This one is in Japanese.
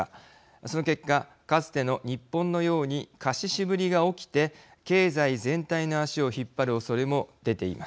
その結果かつての日本のように貸し渋りが起きて経済全体の足を引っ張るおそれも出ています。